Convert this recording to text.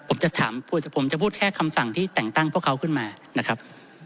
ผมจะถามผมจะพูดแค่คำสั่งที่แต่งตั้งพวกเขาขึ้นมานะครับ